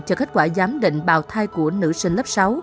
cho kết quả giám định bào thai của nữ sinh lớp sáu